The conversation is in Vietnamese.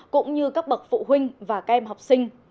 cũng như các bậc phụ huynh và các em học sinh